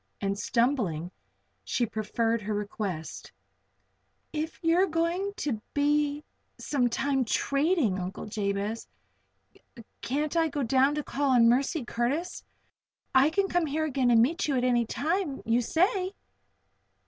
And stumblingly she preferred her request: "If you are going to be some time trading, Uncle Jabez, can't I go down to call on Mercy Curtis? I can come here again and meet you at any time you say."